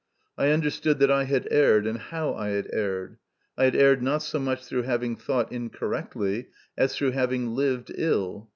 I understood that I had erred, and how I had erred. I had erred, not so much through having thought incorrectly, as through having lived ill.